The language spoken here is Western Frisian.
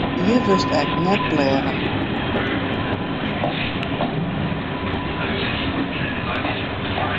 Hjir wurdst ek net pleage.